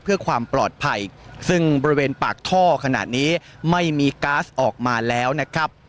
เพื่อความปลอดภัยซึ่งบริเวณปากท่อขณะนี้ไม่มีก๊าซออกมาแล้วนะครับ